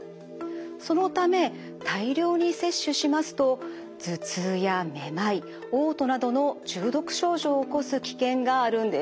そのため大量に摂取しますと頭痛やめまいおう吐などの中毒症状を起こす危険があるんです。